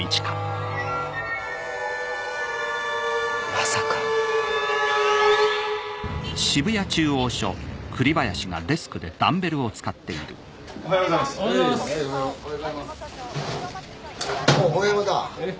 まさか・おはようございます・おはようございますおい小山田えっ？